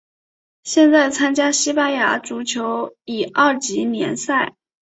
现在参加西班牙足球乙二级联赛。